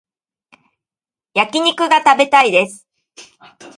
焼き肉が食べたいです